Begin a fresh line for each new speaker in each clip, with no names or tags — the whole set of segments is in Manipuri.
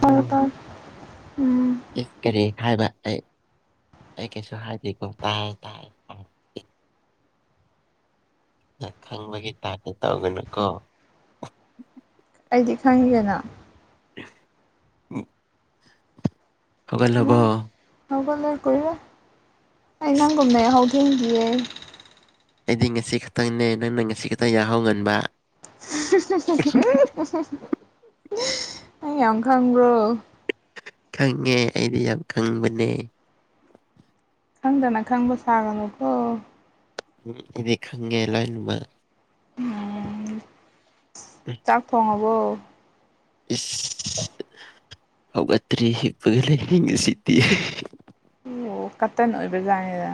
ꯇꯥꯔꯦ ꯇꯥꯔꯦ ꯎꯝ
ꯀꯔꯤ ꯍꯥꯏꯕ ꯑꯩ ꯑꯩ ꯀꯩꯁꯨ ꯍꯥꯏꯗꯦꯀꯣ ꯇꯥꯏ ꯇꯥꯏ ꯈꯪꯕꯒꯤ ꯇꯥꯛꯇ ꯇꯧꯒꯅꯨꯀꯣ
ꯑꯩꯗꯤ ꯈꯪꯒꯦꯅ
ꯈꯒꯕꯣ
ꯍꯧꯒꯂꯦ ꯀꯨꯏꯔꯦ ꯑꯩ
ꯏꯁ
ꯅꯪꯒꯨꯝꯃꯦ ꯍꯧꯈꯤꯦꯡꯒꯤꯌꯦ
ꯑꯩꯗꯤ ꯉꯁꯤ ꯈꯛꯇꯪꯅꯦ ꯅꯪꯅ ꯉꯁꯤ ꯈꯛꯇꯪ ꯌꯥꯍꯧ ꯉꯟꯕ
ꯑꯩ ꯌꯥꯝ ꯈꯪꯕ꯭ꯔꯣ
ꯈꯪꯉꯦ ꯑꯩꯗꯤ ꯌꯥꯝ ꯈꯪꯕꯅꯦ
ꯈꯪꯗꯅ ꯈꯪꯕ ꯁꯥꯒꯅꯨꯀꯣ
ꯗꯤ ꯈꯪꯒꯦ ꯂꯥꯏꯟ ꯑꯃ
ꯎꯝ
ꯎꯝ
ꯆꯥꯛ ꯐꯉꯕꯣ
ꯏꯁ ꯍꯧꯒꯠꯇꯔꯤ ꯀꯦꯂ ꯍꯉ ꯁꯤꯠꯇꯦ
ꯑꯣ ꯀꯇꯟ ꯑꯣꯏꯕꯖꯥꯅꯤꯗ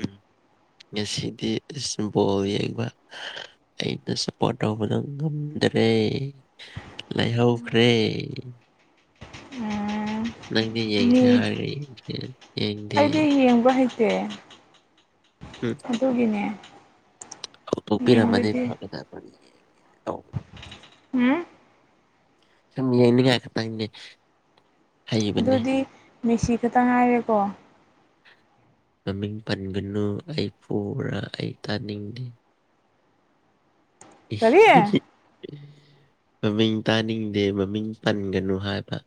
ꯎꯝ ꯉꯁꯤꯗꯤ ꯕꯣꯜ ꯌꯦꯡꯕ ꯑꯩꯅ ꯁꯞꯄꯣꯔꯠ ꯇꯧꯕꯗ ꯉꯝꯃꯤ ꯗ꯭ꯔꯦ ꯂꯩꯥꯏꯍꯧꯈ꯭ꯔꯦ
ꯎꯝ
ꯅꯪꯗꯤ ꯌꯦꯡꯁꯦ
ꯃꯤ
ꯍꯥꯏꯔꯦ ꯌꯦꯡꯁꯦ ꯌꯦꯡꯗꯦ
ꯁꯦ ꯊꯥꯗꯣꯛꯒꯤꯅꯦ
ꯑ ꯇꯣꯛꯄꯤꯔꯝꯃꯗꯤ ꯐꯒꯗ
ꯎꯝ
ꯁꯨꯝ ꯌꯦꯡꯅꯤꯡꯉꯥꯏ ꯈꯇꯪꯒꯤ ꯍꯩꯕꯅꯤ
ꯑꯗꯨꯗꯤ ꯃꯦꯁꯤ ꯈꯛꯇ ꯉꯥꯏꯔꯦꯀꯣ
ꯃꯃꯤꯡ ꯄꯟꯒꯅꯨ ꯑꯩ ꯄꯨꯔꯥ ꯑꯩ ꯇꯥꯅꯤꯡꯗꯦ
ꯀꯔꯤ
[inaudible] ꯃꯃꯤꯡ ꯇꯥꯅꯤꯡꯗꯦ ꯃꯃꯤꯡ ꯄꯟꯒꯅꯨ ꯍꯥꯏꯕ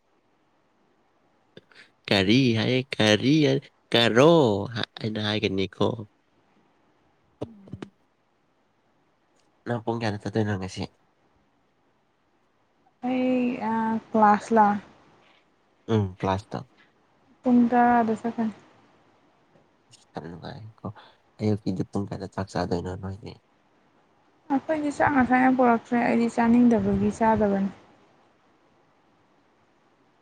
ꯀꯔꯤ ꯍꯥꯏꯌꯦ ꯀꯔꯤ ꯍꯥꯏ ꯀꯔꯣ ꯑꯩꯅ ꯍꯥꯏꯒꯅꯤꯈꯣ [unintelligible]
ꯎꯝ
ꯅ ꯄꯨꯡ ꯀꯌꯥꯗꯠꯇ ꯇꯣꯏꯅꯔꯒꯁꯤꯦ
ꯑꯩ ꯑꯥ ꯀ꯭ꯂꯥꯁ ꯂ
ꯎꯝ ꯀ꯭ꯂꯥꯁꯥꯁ ꯇ
ꯄꯨꯟꯗ ꯑꯗ ꯁꯀ
ꯑ ꯌꯥꯝ ꯅꯨꯡꯉꯥꯏ ꯀꯣ ꯑꯌꯨꯛꯀꯤꯗꯤ ꯄꯨꯡ ꯀꯌꯥꯗ ꯆꯥꯛ ꯆꯥꯗꯣꯏꯅꯣ ꯅꯣꯏꯅꯦ
ꯑꯩꯈꯣꯏꯗꯤ ꯆꯥꯛ ꯉ ꯊꯥꯏꯅ ꯄꯨꯔꯛꯇ꯭ꯔꯦ ꯑꯩꯗꯤ ꯆꯥꯅꯤꯡꯗꯕꯒꯤ ꯆꯥꯗꯕꯅꯤ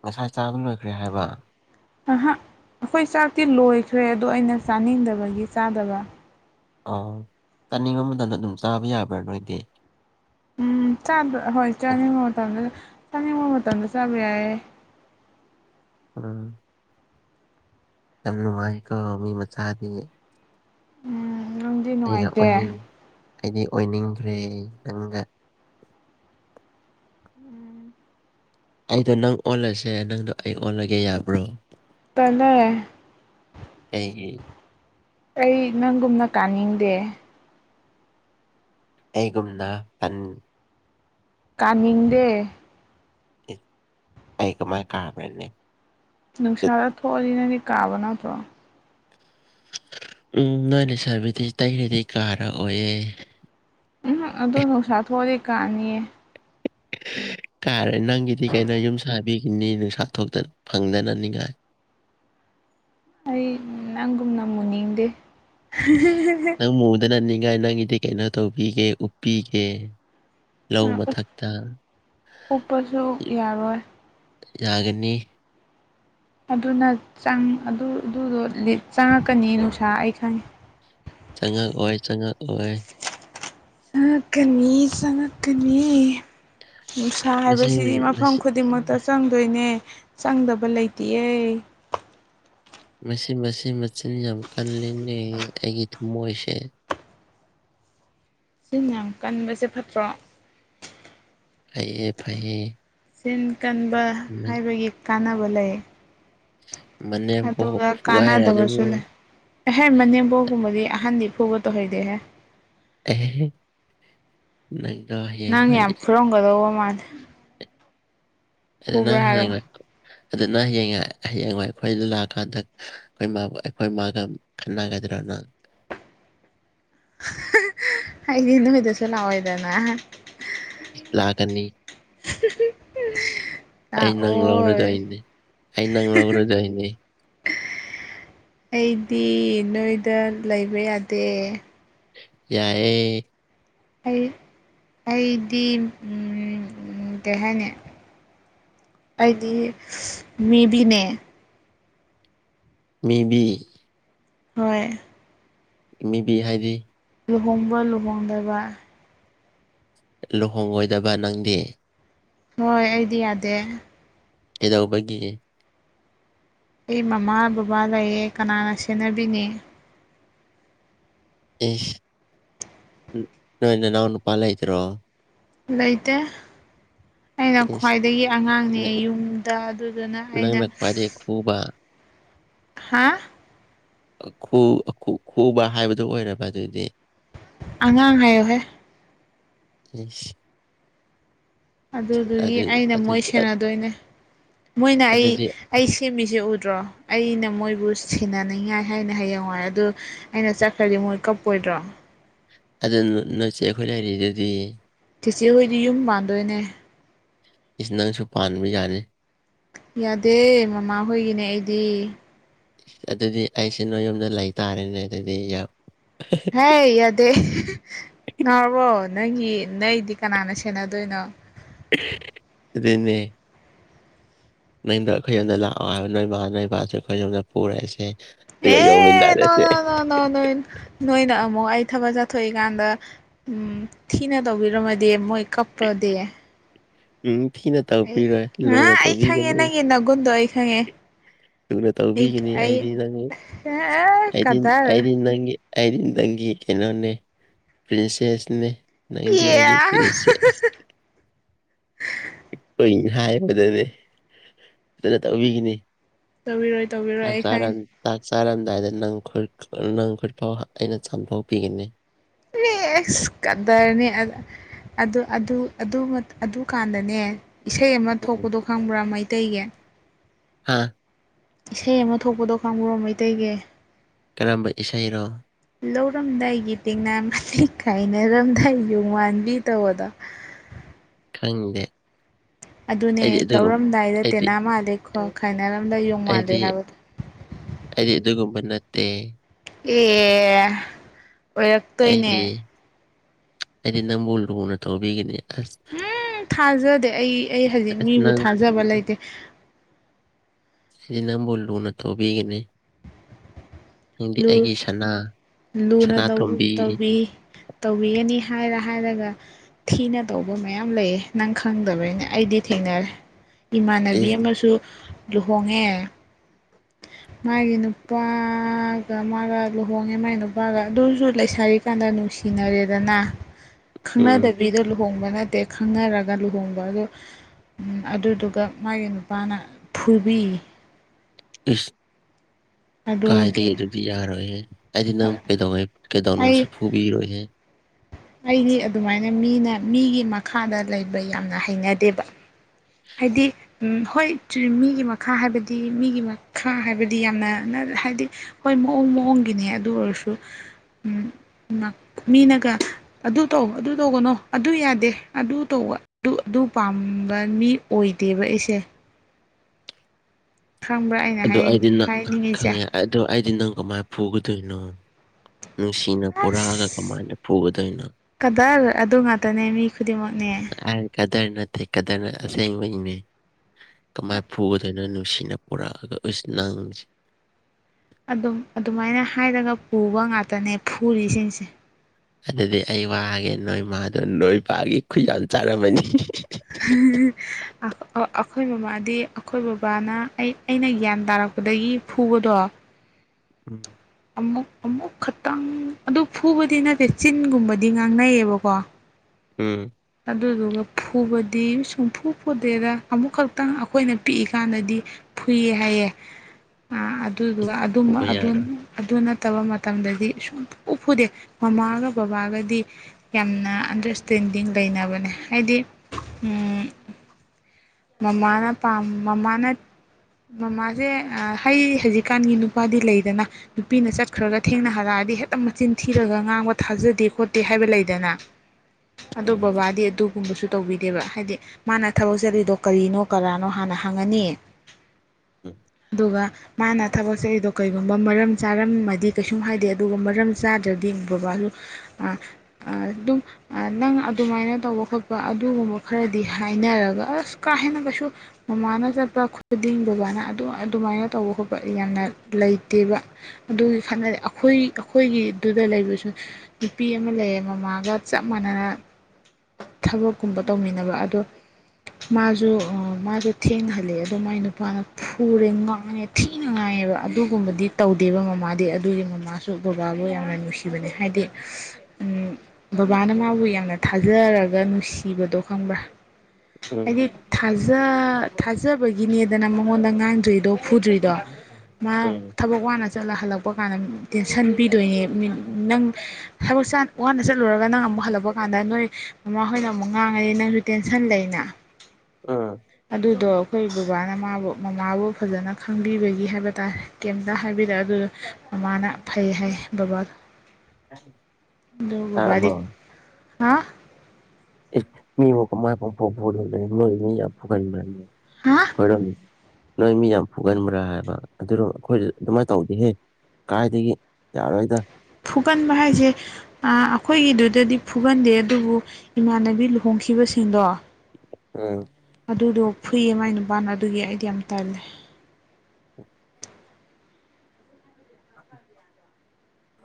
ꯉꯁꯥꯏ ꯆꯥꯕ ꯂꯣꯏꯈ꯭ꯔꯦ ꯍꯥꯏꯕ
ꯉꯍꯥꯛ ꯑꯩꯈꯣꯏ ꯆꯥꯛꯇꯤ ꯂꯣꯏꯈ꯭ꯔꯦ ꯑꯗꯣ ꯑꯩꯅ ꯆꯥꯅꯤꯡꯗꯕꯒꯤ ꯆꯥꯗꯕ
ꯑ ꯆꯥꯅꯤꯡꯕ ꯃꯇꯝꯗ ꯑꯗꯨꯝ ꯆꯥꯕ ꯌꯥꯕ꯭ꯔꯥ ꯅꯣꯏꯗꯤ
ꯎꯝ ꯍꯣꯏ
ꯑꯣ
ꯆꯥꯅꯤꯡꯕ ꯃꯇꯝꯗ ꯆꯥꯅꯤꯡꯕ ꯃꯇꯝꯗ ꯆꯥꯕ ꯌꯥꯏꯑꯦ
ꯎꯝ ꯌꯥꯝꯅ ꯋꯥꯀꯣ ꯃꯤ ꯃꯆꯥꯥꯗ
ꯎꯝ ꯅꯨꯡꯗꯤ ꯅꯨꯡꯉꯥꯏꯇꯦ
ꯑꯣꯏꯅꯤꯡ ꯑꯩꯗꯤ ꯑꯣꯏꯅꯤꯡꯗ꯭ꯔꯦ ꯅꯪꯒ
ꯎꯝ
ꯑꯩꯗꯣ ꯅꯪ ꯑꯣꯜꯂꯁꯦ ꯅꯪꯗꯣ ꯑꯩ ꯑꯣꯜꯂꯒꯦ ꯌꯥꯕ꯭ꯔꯣ
ꯇꯗ
ꯑꯩꯒꯤ
ꯑꯩ ꯅꯪꯒꯨꯝꯅ ꯀꯥꯅꯤꯡꯗꯦ
ꯑꯩꯒꯨꯝꯅ ꯐꯟ
ꯀꯥꯅꯤꯡꯗꯦ
ꯑꯩꯒ ꯃꯥ ꯀꯥꯕꯅꯦ
ꯅꯨꯡꯁꯥꯗ ꯊꯣꯛꯑꯅꯤꯅꯅꯦ ꯀꯥꯕ ꯅꯠꯇ꯭ꯔꯣ
ꯎꯝ ꯅꯣꯏꯅꯦ ꯁꯥꯔꯕꯤꯗꯤ ꯇꯔꯗꯤ ꯀꯥꯔꯑꯣꯌꯦꯦ
ꯎꯝ ꯑꯗꯨ ꯅꯨꯡꯁꯥ ꯊꯣꯛꯣꯛꯗꯤ ꯀꯥꯅꯤꯌꯦ
[unintelligible] ꯀꯥꯔꯦ ꯅꯪꯒꯤꯗꯤ ꯀꯩꯅꯣ ꯌꯨꯝ ꯁꯥꯕꯤꯈꯤꯅꯤ ꯅꯨꯡꯁꯥ ꯊꯣꯛꯇꯅ ꯐꯪꯗꯅꯅꯤꯡꯉꯥꯏ [unintelligible]
ꯑꯩ ꯅꯪꯨꯝ ꯅꯃ ꯅꯗꯦ
ꯥꯏ ꯅꯪꯒꯤꯗꯤ ꯀꯩꯅꯣ ꯇꯧꯕꯤꯒꯦ ꯎꯞꯄꯤꯒꯦ ꯂꯧ
ꯎꯞ
ꯃꯊꯛꯇ
ꯎꯞꯄꯁꯨ ꯌꯥꯔꯣꯏ
ꯌꯥꯒꯅꯤ
ꯑꯗꯨꯅ ꯑꯗꯨ ꯑꯗꯨꯗꯣ ꯆꯪꯉꯛꯀꯅꯤ ꯅꯨꯡꯁꯥ ꯑꯩ ꯈꯪꯉꯦ
ꯆꯪꯉꯛꯑꯣꯏ ꯆꯪꯉꯛꯑꯣꯏ
ꯆꯉꯀꯅꯤ ꯆꯉꯀꯅꯤ ꯅꯨꯡꯁꯥ
ꯃꯁꯤ
ꯍꯥꯏꯕꯁꯤꯗꯤ ꯃꯐꯝ
ꯃꯁꯤ
ꯈꯨꯗꯤꯡꯃꯛꯇ ꯆꯪꯗꯣꯏꯅꯦ ꯆꯪꯗꯕ ꯂꯩꯇꯦꯑ
ꯃꯁꯤ ꯃꯆꯤꯟ ꯃꯆꯤꯟ ꯌꯥꯝ ꯀꯜꯂꯤꯅꯦ ꯑꯩꯒꯤ ꯊꯝꯃꯣꯏꯁꯦ [unintelligible]
ꯁꯤ ꯃꯌꯥꯝ ꯀꯟꯕꯁꯦ ꯐꯠꯇ꯭ꯔꯣ
ꯐꯩꯌꯦ ꯐꯌꯦ
ꯁꯤꯟ ꯀꯟꯕ ꯍꯥꯏꯕꯒꯤ ꯀꯥꯟꯅꯕ ꯂꯩ
[unintelligible]
ꯑꯗꯨꯒ
ꯐꯨꯒꯥꯏꯔꯗꯨꯅ
ꯀꯥꯟꯅꯗꯕꯁꯨ ꯂꯩ ꯑꯦꯍꯦ ꯃꯅꯦꯝꯕꯣꯛꯒꯨꯝꯕꯗꯤ ꯑꯍꯟꯅꯤ ꯊꯒ ꯇ ꯍꯣꯏꯗꯦꯍꯦ
ꯑꯦ
ꯅꯪ ꯌꯥꯝ ꯐꯨꯔꯝꯒꯗꯧꯕ ꯃꯥꯜꯂꯦ
ꯑ
ꯐꯨꯕ꯭ꯔꯥ
ꯅꯪ
ꯍꯥꯏꯔꯣ
ꯍꯌꯦꯡ ꯂꯥꯀ ꯑꯗꯨꯅ ꯍꯌꯦꯡ ꯍꯌꯦꯡ ꯑꯩꯈꯣꯏꯗ ꯂꯥꯛꯑꯀꯥꯟꯗ ꯑꯩꯈꯣꯏ ꯏ ꯑꯩꯈꯣꯏ ꯏ ꯃꯥꯒ ꯈꯟꯅꯒꯗ꯭ꯔꯅ ꯑ
ꯑꯩꯗꯤ ꯅꯣꯌꯗꯁꯨ ꯂꯥꯀꯣꯌꯗꯅ
ꯂꯥꯛꯀꯅꯤ
[unintelligible] ꯑ
ꯑꯩ ꯅꯪ
ꯑꯣ
ꯂꯧꯔꯗꯣꯏꯅꯤ ꯑꯩ ꯅꯪ ꯂꯧꯔꯗꯣꯏꯅꯤ
ꯑꯩꯗꯤ ꯅꯣꯏꯗ ꯂꯩꯕ ꯌꯥꯗꯦ
ꯌꯥꯏꯌꯦ
ꯑꯩ ꯑꯩꯗꯤ ꯀꯩ ꯍꯥꯏꯅꯤ ꯑꯩꯗꯤ ꯃꯦꯕꯤꯅꯦ
ꯃꯦꯕꯤ
ꯍꯣꯏ
ꯃꯤꯕꯤ ꯍꯥꯏꯗꯤ
ꯂꯨꯍꯣꯡꯕ ꯂꯨꯍꯣꯡꯗꯕ
ꯂꯨꯍꯣꯡꯉꯣꯏꯗꯕ ꯅꯪꯗꯤ
ꯍꯣꯏ ꯑꯩꯗꯤ ꯌꯥꯗꯦ
ꯀꯩꯗꯧꯕꯒꯤ
ꯑꯩ ꯃꯃꯥ ꯕꯕꯥ ꯂꯩꯌꯦ ꯀꯅꯥꯅ ꯁꯦꯟꯅꯕꯤꯅꯦ
ꯑꯦꯁ ꯅꯣꯏ ꯅꯅꯥꯑꯣ ꯅꯨꯄꯥ ꯂꯩ ꯇꯔꯣ
ꯂꯩꯇꯦ ꯑꯩꯅ
ꯏꯁ
ꯈ꯭ꯋꯥꯏꯗꯒꯤ ꯑꯉꯥꯡꯅꯦ ꯌꯨꯝꯗ ꯑꯗꯨꯗꯨꯅ ꯑꯩꯅ
ꯅꯪꯅ ꯈ꯭ꯋꯥꯏꯗꯒꯤ ꯈꯨꯕ
ꯍꯥꯥ
ꯈꯨꯕ ꯍꯥꯏꯕꯗꯨ ꯑꯣꯏꯔꯕ ꯑꯗꯨꯗꯤ
ꯑꯉꯥꯡ ꯍꯥꯏꯌꯣꯍꯦ
ꯑ
ꯑꯗꯨꯗꯨꯒꯤ ꯑꯩꯅ ꯃꯣꯏ
ꯑꯗꯨꯗꯤ
ꯁꯦꯟꯅꯗꯣꯏꯅꯦ ꯃꯣꯏꯅ ꯑꯩ
ꯑꯗꯨꯗꯤ
ꯑꯩ ꯁꯦꯝꯃꯤꯁꯦ ꯎ ꯠꯇ꯭ꯔꯣ ꯑꯩꯅ ꯃꯣꯏꯕꯨ ꯁꯤꯟꯅꯅꯤꯡꯉꯥꯏ ꯍꯥꯏꯅ ꯍꯌꯦꯡꯋꯥꯏ ꯑꯗꯨꯗꯣ ꯑꯩꯅ ꯆꯠꯈ꯭ꯔꯗꯤ ꯃꯣꯏ ꯀꯞꯄꯣꯏ ꯀꯨꯗ꯭ꯔꯥ
ꯑꯗꯨ ꯅꯣꯏꯆꯦ ꯑꯩꯈꯣꯏ ꯂꯩꯔꯤꯗꯨꯗꯤ
ꯊꯦꯆꯦꯍꯣꯏꯗꯤ ꯌꯨꯝ ꯄꯥꯟꯗꯣꯏꯅꯦ
ꯏꯁ ꯅꯪ ꯁꯨꯄꯥꯟ ꯃꯤ ꯌꯥꯦ
ꯌꯥꯗꯦ ꯃꯃꯥꯍꯣꯏꯒꯤꯅꯦ ꯑꯩꯗꯤ
ꯑꯗꯨꯗꯤ ꯑꯩꯁꯦ ꯅꯣꯏ ꯌꯨꯝꯗ ꯂꯩꯇꯥꯥꯔꯦꯅꯦ ꯑꯗꯨꯗꯤ ꯌꯥ
ꯍꯦ ꯑꯗꯦ ꯅꯔꯕꯣ ꯅꯪꯒꯤ ꯅꯪꯗꯤ ꯀꯅꯥꯅ ꯁꯦꯟꯅꯗꯣꯏꯅꯣ
ꯑꯗꯨꯗꯟꯅꯅꯦ ꯅꯪꯗ ꯑꯩꯈꯣꯏ ꯌꯣꯝꯗ ꯂꯥꯛꯑꯣ ꯍꯥꯏꯕ ꯅꯣꯏꯕ ꯅꯣꯏꯕꯁꯨꯦ ꯑꯩꯈꯣꯏ ꯌꯣꯝꯗ ꯄꯨꯔꯛꯏꯁꯦ
ꯑꯦ ꯅ ꯅ ꯅ ꯅꯣꯏ ꯅꯣꯏꯅ ꯑꯃꯛ ꯑꯩ ꯊꯕꯛ ꯆꯠꯊꯣꯛꯏꯀꯥꯟꯗ ꯎ ꯊꯤꯅ ꯇꯧꯕꯤꯔꯝꯃꯗꯤ ꯃꯣꯏ ꯀꯄꯗꯦ
ꯎꯝ ꯊꯤꯅ ꯇꯧꯕꯤꯔꯣꯏ
ꯑ
ꯂꯨꯅ
ꯑꯩ ꯈꯪꯉꯦ
ꯇꯧꯕꯤꯒꯅꯤ
ꯅꯪꯦ ꯅꯒꯨꯗ ꯑꯩꯈꯪꯉꯦ
ꯊꯨꯅ ꯇꯧꯕꯤꯈꯤꯅꯤ ꯑꯩꯗꯤ ꯅꯪꯗꯤ
ꯍꯦ ꯀꯗꯔ
ꯑꯩꯗꯤ ꯅꯪꯒꯤ ꯑꯗꯤ ꯅꯪꯒꯤ ꯀꯩꯅꯣꯅꯦ ꯄ꯭ꯔꯤꯟꯁꯦꯁꯅꯦ ꯅꯏꯟꯗꯤ ꯍꯥꯏꯒꯤꯦ ꯏ ꯍꯥꯏꯕꯗꯅꯦ ꯐꯖꯅ ꯇꯧꯕꯤꯈꯤꯅꯤ
ꯇꯧꯕꯤꯔꯣꯏ ꯇꯧꯕꯤꯔꯣꯏ
ꯑ
ꯑꯩ
ꯁꯔ
ꯈꯪꯉꯦ
ꯆꯥꯔꯝꯗꯥꯏꯗ ꯅꯪ ꯈꯨ ꯅꯪ ꯈꯨꯔꯤꯐꯥꯎ ꯑꯩꯅ ꯆꯥꯝꯐꯥꯎ ꯄꯤꯒꯅꯤ
ꯁ ꯀꯗꯔꯅꯤ ꯑꯗꯨ ꯑꯗꯨꯀꯥꯟꯗꯅꯦ ꯏꯁꯩ ꯑꯃ
ꯎꯝ
ꯊꯣꯛꯄꯗꯣ ꯈꯪꯕ꯭ꯔꯥ ꯃꯩꯇꯩꯒꯤ
ꯍꯥꯥ
ꯏꯁꯩ ꯑꯃ ꯊꯣꯛꯄꯗꯣ ꯀꯥꯡꯒ꯭ꯔ ꯃꯩꯇꯩꯒꯤ
ꯀꯔꯝꯕ ꯏꯁꯩꯅꯣ
ꯂꯧꯔꯝꯗꯥꯏꯒꯤ ꯇꯦꯡꯅꯥ ꯃꯇꯤ ꯀꯥꯏꯅꯔꯝꯗꯥꯏ ꯌꯨꯝ ꯋꯥꯥꯟꯕꯤ ꯇꯧꯕꯗ
ꯈꯅꯤꯡꯒꯦ
ꯑꯗꯨꯅꯦ ꯂꯧꯔꯝꯗꯥꯏꯗ ꯇꯦꯅꯥ ꯃꯥꯜꯂꯦ ꯈꯣ ꯈꯥꯏꯅꯔꯝꯗꯥ ꯌꯣꯡ ꯃꯥꯜꯂꯦ
ꯑꯩꯗꯤ
ꯍꯥꯏꯕꯗꯣ
ꯑꯩꯗꯤ ꯑꯗꯨꯒꯨꯝꯕ ꯅꯠꯇꯦ
ꯑꯦ ꯑꯣꯏꯔꯛꯇꯣꯏꯅꯦ
ꯍꯥꯏꯗꯤ ꯅꯝꯕꯨꯜ ꯂꯨꯅ ꯇꯧꯕꯤꯈꯤꯅꯤ
ꯎꯝ ꯊꯥꯖꯗꯦ ꯑꯩ ꯑꯩ ꯍꯧꯖꯤꯛ
ꯑꯁ
ꯃꯤꯕꯨ
ꯅꯪ ꯎꯝ
ꯊꯥꯖꯕ ꯂꯩꯇꯦ
ꯁꯤ ꯅꯪꯕꯨ ꯂꯨꯅ ꯊꯧꯕꯤꯒꯅꯤ ꯅꯪꯗꯤ
ꯂꯨ
ꯑꯩꯒꯤ ꯁꯅꯥ
ꯂꯨꯅ
ꯁꯅꯥꯇꯣꯝꯕꯤ
ꯇꯧꯕꯤ ꯇꯧꯕꯤꯒꯅꯤ ꯍꯥꯏꯔ ꯍꯥꯏꯔꯒ ꯊꯤꯅ ꯇꯧꯕ ꯃꯌꯥꯝ ꯂꯩꯌꯦ ꯅꯪ ꯈꯪꯗꯕꯅꯤꯅ ꯑꯩꯗꯤ ꯊꯦꯡꯅꯔꯦ ꯏꯃꯥꯟꯅꯕꯤ
ꯏꯁ
ꯑꯃꯁꯨ ꯂꯨꯍꯣꯡꯉꯦ
[unintelligible]
ꯃꯥꯒꯤ ꯅꯨꯄꯥꯒ ꯃꯥꯒ ꯂꯨꯍꯣꯡꯉꯦ ꯃꯥꯒꯤ ꯅꯨꯄꯥꯒ ꯑꯗꯨꯁꯨ ꯂꯩꯁꯔꯤꯀꯥꯟꯗ ꯅꯨꯡꯁꯤ ꯁꯤꯅꯔꯦꯗꯅ
ꯎꯝ
ꯈꯪꯅꯗꯕꯤꯗ ꯂꯨꯍꯣꯡꯕ ꯕ ꯅꯠꯇꯦ ꯈꯪꯅꯔꯒ ꯂꯨꯍꯣꯡꯕ ꯑ ꯑꯗꯨꯗꯨꯒ ꯃꯥꯒꯤ ꯅꯨꯄꯥꯅ ꯐꯨꯕꯤ
ꯏꯁ ꯀꯥꯏꯗ
ꯑꯗꯨꯒꯤ
ꯑꯗꯨꯗꯤ ꯌꯥꯔꯣꯏꯍ ꯍꯥꯏꯗꯤ ꯅꯪ ꯀꯩꯗꯧꯉꯩ ꯗꯣꯟꯁꯤ
ꯑꯩ
ꯐꯨꯕ ꯍꯔꯣꯏꯦ
ꯑꯩꯗꯤ ꯑꯗꯨꯃꯥꯏꯅ ꯃꯤꯅ ꯃꯤꯒꯤ ꯃꯈꯥꯗ ꯂꯩꯕ ꯌꯥꯝꯅ ꯍꯩꯅꯗꯦꯕ ꯍꯥꯏꯗꯤ ꯍꯣꯏ ꯃꯤꯒꯤ ꯃꯈꯥ ꯍꯥꯏꯕꯗꯤ ꯃꯤꯒꯤ ꯃꯈꯥ ꯍꯥꯏꯕꯗꯤ ꯌꯥꯝꯅ ꯍꯥꯏꯗꯤ ꯍꯣꯏ ꯃꯑꯣꯡ ꯃꯑꯣꯡꯒꯤꯅꯦ ꯑꯗꯨ ꯑꯣꯏꯔꯁꯨ ꯎꯝ ꯃꯤꯅꯒ ꯑꯗꯨ ꯇꯧ ꯑꯗꯨ ꯇꯧꯒꯅꯣ ꯑꯗꯨ ꯌꯥꯗꯦ ꯑꯗꯨ ꯇꯧꯕ ꯑꯗꯨ ꯑꯗꯨ ꯄꯥꯝꯕ ꯃꯤ ꯑꯣꯏꯗꯦꯕ ꯑꯩꯁꯦ ꯈꯪꯕ꯭ꯔꯥ ꯑꯩꯅ
ꯑꯗꯨ ꯑꯩꯗꯤ
ꯍꯥꯏꯅꯤꯡ
ꯅꯪ
ꯍꯥꯏꯅꯤꯡꯉꯤꯁꯦ
ꯈꯪꯉꯦ ꯑꯗꯨ ꯑꯩꯗꯤ ꯅꯪ ꯀꯃꯥꯏꯅ ꯄꯨꯒꯗꯣꯏꯅꯣ
ꯑꯁ
ꯐꯨꯒꯗꯣꯏꯅꯣ
ꯀꯗꯔ ꯑꯗꯨ ꯉꯥꯛꯇꯅꯦ ꯃꯤ ꯈꯨꯗꯤꯡꯃꯛ
ꯍꯥꯏ ꯀꯗꯔ ꯅꯠꯇꯦ ꯀꯗꯔꯅ ꯑꯁꯦꯡꯕꯅꯦ ꯀꯃꯥꯏ ꯐꯨꯒꯗꯣꯏꯅꯣ ꯃꯁꯤꯅ ꯄꯨꯣꯔꯛꯑꯒ ꯑꯩ ꯅꯪꯁꯦ
ꯑꯗꯨꯝ ꯑꯗꯨꯃꯥꯏꯅ ꯍꯥꯏꯔꯒ ꯄꯨꯕ ꯉꯥꯛꯇꯅꯦ ꯐꯨꯔꯤꯁꯤꯡꯁꯦ
ꯑꯗꯨꯗꯤ ꯑꯩ ꯋꯥꯒꯦ ꯅꯣꯏ ꯃꯥꯗꯣ ꯅꯣꯏꯄꯥꯒꯤ ꯈꯨꯠ ꯌꯥꯝ ꯆꯥꯔꯝꯃꯅꯤ
ꯑꯩꯈꯣꯏ ꯃꯃꯥꯗꯤ ꯑꯩꯈꯣꯏ ꯕꯕꯥꯅ ꯑꯩ ꯑꯩꯅ ꯒ꯭ꯌꯥꯟ ꯇꯥꯔꯛꯄ ꯂꯄꯗꯒꯤ ꯐꯨꯕꯗꯣ
ꯎꯝ
ꯑꯃꯨꯛ ꯑꯃꯨꯛ ꯈꯛꯇꯪ ꯑꯗꯨ ꯐꯨꯕꯗꯤ ꯅꯠꯇꯦ ꯆꯤꯟꯒꯨꯝꯕꯗꯤ ꯉꯥꯡꯅꯩꯌꯦꯕꯀꯣ
ꯎꯝ
ꯑꯗꯨꯗꯨꯒ ꯐꯨꯕꯗꯤ ꯁꯨꯝꯐꯨ ꯐꯨꯗꯦꯗ ꯑꯃꯨꯛ ꯈꯛꯇꯪ ꯑꯩꯈꯣꯏꯅ ꯄꯤꯛꯏꯀꯥꯟꯗꯗꯤ ꯐꯨꯏꯌꯦ ꯍꯥꯏꯌꯦꯦ ꯑꯗꯨꯗꯨꯒ
ꯏꯁ,
ꯑꯗꯨ
ꯐꯨꯕ ꯌꯥꯔꯣꯏ
ꯑꯗꯨꯅ ꯐ ꯇꯕ ꯃꯇꯝꯗꯗꯤ ꯁꯨꯡ ꯐꯨ ꯐꯨꯗꯦ ꯃꯃꯥꯒ ꯕꯕꯥꯒꯗꯤ ꯌꯥꯝꯅ ꯑꯟꯗꯔꯁꯇꯦꯟꯗꯤꯡ ꯂꯩꯅꯕꯅꯦ ꯍꯥꯏꯗꯤ ꯃꯃꯥꯅ ꯄꯥꯝ ꯃꯃꯥꯅ ꯃꯃꯥꯁꯦ ꯍꯩ ꯍꯧꯖꯤꯛꯀꯥꯟꯒꯤ ꯅꯨꯄꯥꯗꯤ ꯂꯩꯗꯅ ꯅꯨꯄꯤꯅ ꯆꯠꯈ꯭ꯔꯒ ꯊꯦꯡꯅ ꯍꯥꯔꯛꯑꯦ ꯍꯥꯏꯗꯤ ꯍꯦꯛꯇ ꯃꯆꯤꯟ ꯊꯤꯔꯒ ꯉꯥꯡꯕ ꯊꯥꯖꯗꯦ ꯈꯣꯠꯇꯦ ꯍꯥꯏꯕ ꯂꯩꯗꯅ
[unintelligible]
ꯑꯗꯣ ꯕꯕꯥꯗꯤ ꯑꯗꯨ ꯨꯝꯕꯁꯨ ꯇꯧꯕꯤꯗꯦꯕ ꯍꯥꯏꯗꯤ ꯃꯥꯅ ꯊꯕꯛ ꯆꯠꯔꯤꯗꯣ ꯀꯔꯤꯅꯣ ꯀꯔꯥꯅꯣ ꯍꯥꯟꯅ ꯍꯪꯉꯅꯤꯌꯦ
ꯎꯝ
ꯑꯗꯨꯒ ꯃꯥꯅ ꯊꯕꯛ ꯆꯩꯗꯣ ꯀꯩꯒꯨꯝꯕ ꯃꯔꯝ ꯆꯥꯔꯝꯃꯗꯤ ꯀꯩꯁꯨꯝ ꯍꯥꯏꯗꯦ ꯑꯗꯨꯒ ꯃꯔꯝ ꯆꯥꯗ꯭ꯔꯗꯤ ꯕꯕꯥꯁꯨ ꯑꯗꯨꯝ ꯅꯪ ꯑꯗꯨꯃꯥꯏꯅ ꯇꯧꯕ ꯈꯣꯠꯄ ꯑꯗꯨꯒꯨꯝꯕ ꯈꯔꯗꯤ ꯍꯥꯏꯅꯔꯒ ꯑꯁ ꯀꯥ ꯍꯦꯟꯅ ꯀꯩꯁꯨ ꯃꯃꯥꯅ ꯆꯠ ꯆꯠꯄ ꯈꯨꯗꯤꯡ ꯕꯕꯥꯅ ꯑꯗꯨꯃꯥꯏꯅ ꯇꯧꯕ ꯈꯣꯠꯄ ꯌꯥꯝꯅ ꯂꯩꯇꯦꯕ ꯑꯗꯨꯒꯤ ꯈꯠ ꯍꯥꯏꯗꯤ ꯑꯩꯈꯣꯏ ꯑꯩꯈꯣꯏꯒꯤꯗꯨꯗ ꯂꯩꯕꯁꯨ ꯅꯨꯄꯤ ꯑꯃ ꯂꯩꯌꯦ ꯃꯃꯥꯒ ꯆꯞ ꯃꯥꯟꯅꯅ ꯊꯕꯛꯀꯨꯝꯕ ꯇꯧꯃꯤꯟꯅꯕ ꯑꯗꯣ ꯃꯥꯁꯨ ꯃꯥꯁꯨ ꯊꯦꯡꯅꯍꯜꯂꯛꯑꯦ ꯑꯗꯣ ꯃꯥꯏ ꯅꯨꯄꯥꯅ ꯐꯨꯔꯦ ꯉꯥꯡꯉꯦ ꯊꯦꯡꯅ ꯉꯥꯏꯑꯦꯕ ꯑꯗꯨꯒꯨꯝꯕꯗꯤ ꯇꯧꯗꯦꯕ ꯃꯃꯥꯗꯤ ꯑꯗꯨꯒꯤ ꯃꯃꯥꯁꯨ ꯕꯕꯥꯕꯨ ꯌꯥꯝꯅ ꯅꯨꯡꯁꯤ ꯅꯦ ꯍꯥꯏꯗꯤ ꯕꯕꯥꯅ ꯃꯥꯕꯨ ꯌꯥꯝꯅ ꯊ ꯊꯥꯖꯔꯒ ꯅꯨꯡꯁꯤꯕꯗꯣ ꯈꯪꯕ꯭ꯔꯥ
ꯎꯝ
ꯍꯥꯏꯗꯤꯖ ꯊꯥꯖꯕꯒꯤꯅꯦꯗꯅ ꯃꯉꯣꯟꯗ ꯉꯥꯡꯗ꯭ꯔꯤꯗꯣ ꯐꯨꯗ꯭ꯔꯤꯗꯣ ꯃꯥ
ꯎꯝ
ꯊꯕꯛ ꯋꯥꯅ ꯆꯠꯂ ꯍꯜꯂꯛꯄ ꯃꯥꯅ ꯇꯦꯟꯁꯟ ꯄꯤꯗꯣꯏꯅꯦ ꯅꯪ ꯊꯕꯛ ꯋꯥꯅ ꯆꯠꯂꯨꯔꯒ ꯅꯪ ꯑꯃꯨꯛ ꯍꯜꯂꯛꯄ ꯀꯥꯟꯗ ꯅꯣꯏ ꯃꯃꯥꯍꯣꯏꯅ ꯑꯃꯨꯛ ꯉꯥꯡꯉꯅꯤ ꯅꯪꯁꯨ ꯇꯦꯟꯁꯟ ꯂꯩꯅ
ꯑꯥ
ꯑꯗꯨꯗꯣ ꯑꯩꯈꯣꯏ ꯕꯕꯥꯅ ꯃꯥꯕꯨ ꯃꯃꯥꯕꯨ ꯐꯖꯅ ꯈꯪꯕꯤꯕꯒꯤ ꯍꯥꯏꯕ ꯇꯥꯔꯦ ꯀꯩꯝꯇ ꯍꯥꯏ ꯍꯥꯏꯕꯤꯔꯛ ꯑꯗꯨꯗ ꯃꯃꯥꯅ ꯐꯩ ꯍꯥꯏ ꯕꯕꯥꯗꯣ ꯗꯒꯣꯕꯥꯗꯤ
ꯇꯥꯕ꯭ꯔꯣ
ꯍꯥ
ꯃꯤꯄꯣꯏ ꯃꯤ
ꯍꯥ
ꯀ ꯍꯔ ꯅꯣꯏ ꯃꯤ ꯌꯥꯝ ꯐꯨꯒꯟꯕ꯭ꯔꯥ ꯍꯥꯏꯕ ꯑꯗꯨꯗꯣ ꯑꯩꯈꯣꯏꯁꯨ ꯑꯗꯨꯃꯥꯏꯅ ꯇꯧꯗꯤꯍꯦ ꯀꯥꯏꯗꯒꯤ ꯌꯥꯔꯣꯏꯗ
ꯐꯨꯒꯟꯕ ꯍꯥꯏꯁꯦ ꯑꯩꯈꯣꯏꯒꯤꯗꯨꯗꯗꯤ ꯐꯨꯒꯟꯗꯦ ꯑꯗꯨꯕꯨ ꯏꯃꯥꯟꯅꯕꯤ ꯂꯨꯍꯣꯡ ꯇꯈꯤꯕꯁꯤꯡꯗꯣ
ꯑꯝ
ꯑꯗꯨꯗꯣ ꯐꯨꯏꯌꯦ ꯃꯥꯏ ꯅꯨꯄꯥꯅ ꯑꯗꯨꯒꯤ ꯑꯩꯗꯤ ꯌꯥꯝ ꯇꯜꯂꯦ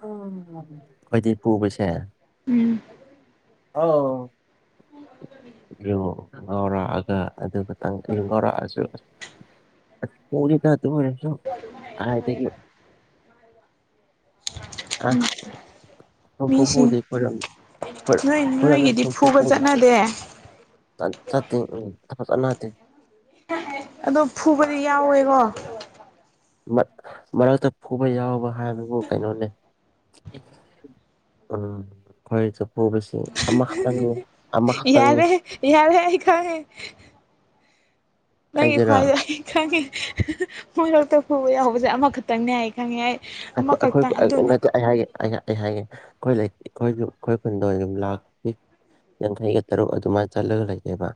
ꯑꯩꯣꯏꯗꯤ ꯄꯨꯕꯁꯦ
ꯎꯝ
ꯑꯥꯎ ꯔꯨꯡ ꯉꯥꯎꯔꯛꯑꯒ ꯑꯗꯨꯇꯪ ꯉꯥꯎꯔꯛꯑꯁꯨ ꯄꯔꯤ ꯀ ꯇꯨꯅꯁꯨꯣ ꯍꯥꯏ
ꯎꯝ
ꯁꯨꯡꯐꯨ
ꯃꯤꯁꯤꯡ
ꯐꯨꯗꯦ ꯑꯩꯈꯣꯏꯔꯣꯝ
ꯅꯣꯏ
ꯑꯩꯈꯣꯏꯔꯣꯝꯗ
ꯅꯣꯏꯒꯤꯗꯤ ꯐꯨꯕ ꯆꯠꯅꯗꯦ
ꯆꯦꯡ ꯎꯝ ꯆꯅꯠꯇꯦ
ꯑꯗꯣ ꯐꯨꯕꯗꯤ ꯌꯥꯎꯋꯦꯀꯣ
ꯃꯔꯛꯇ ꯐꯨꯕ ꯌꯥꯎꯕ ꯍꯥꯏꯕꯕꯨ ꯀꯩꯅꯣꯅꯤ ꯑ ꯍꯣꯏ ꯆ ꯑꯣꯦꯁꯤ ꯑꯃꯥ ꯈꯛꯇꯇꯪꯅꯤ ꯑꯃꯥ ꯈꯞꯇꯪꯅꯤ
ꯌꯥꯔꯦ
[unintelligible]
ꯌꯥꯔꯦ ꯑꯩ ꯈꯪꯉꯦ ꯅꯪꯒꯤ ꯈ꯭ꯋꯥꯏꯗ ꯑꯩ ꯈꯪꯉꯦ ꯃꯣꯏꯔꯣꯛꯇ ꯄꯨꯕ ꯌꯥꯎꯕꯁꯦ ꯑꯃꯈꯛꯇꯪꯅꯦ ꯍꯥꯏ ꯈꯪꯉꯦ ꯑꯩ
ꯑꯩꯣꯏ
ꯑꯃꯈꯛꯇꯪ
ꯑꯩꯈꯣꯏ
ꯑꯗꯨꯅꯤ
ꯅꯠꯇꯦ ꯑꯩꯍꯥꯛꯒꯦ ꯑꯩꯍ ꯑꯩ ꯍꯥꯏꯒꯦ ꯑꯩꯈꯣꯏ ꯂꯩ ꯑꯩꯈꯣꯏꯁꯨ ꯑꯩꯈꯣꯏ ꯈꯨꯨꯗꯣꯝ ꯂꯥꯛ ꯌꯥꯡꯈꯩꯒ ꯇꯔꯨꯛ ꯑꯗꯨꯃꯥꯏꯅ ꯆꯠꯂꯒ ꯂꯩꯖꯕ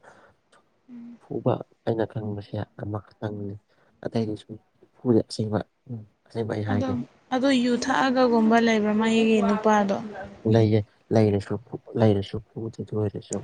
ꯐꯨꯕ ꯑꯩꯅ ꯈꯪꯕꯁꯦ ꯑꯃꯈꯛꯇꯪꯅꯤ ꯑꯇꯩꯗꯤ ꯁꯨꯝꯐꯨꯗꯤ ꯑꯁꯦꯡꯕ ꯎꯝ ꯑꯁꯤꯕ ꯑꯩ ꯍꯥꯏꯒꯦ
ꯑꯗꯣ ꯌꯨ ꯊꯛꯑꯒꯨꯝꯕ ꯂꯩꯕ꯭ꯔꯥ ꯃꯥꯌꯦꯒꯤ ꯅꯨꯄꯥꯗꯣ
ꯂꯩꯌꯦꯦ ꯂꯩꯔꯦꯁꯨ ꯂꯩꯔꯦꯁꯨ ꯐꯨꯕꯗꯗꯤ ꯑꯣꯏꯔꯦꯁꯨ